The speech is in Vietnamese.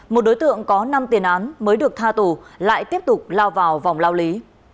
một đối tượng có năm tiền án mới được tha tù lại tiếp tục lao vào vòng lao lý